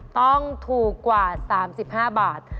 ต้องถูกกว่าสามสิบห้าบาท